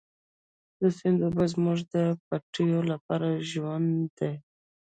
د سیند اوبه زموږ د پټیو لپاره ژوند دی.